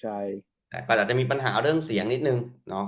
ใช่แต่ก็อาจจะมีปัญหาเรื่องเสียงนิดนึง